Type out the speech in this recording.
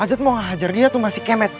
ajar dia tuh mbak si kemet